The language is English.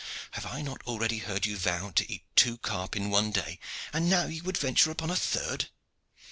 Have I not already heard you vow to eat two carp in one day, and now you would venture upon a third?"